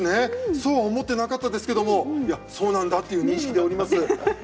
そうは思っていなかったですけどそうなんだという認識でおります。